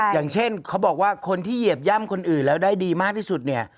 อย่างเช่นเขาบอกว่าคนที่เหยียบย่ำคนอื่นแล้วได้ดีมากที่สุดเนี่ย